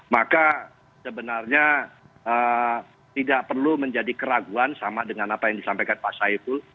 maka sebenarnya tidak perlu menjadi keraguan sama dengan apa yang disampaikan pak saiful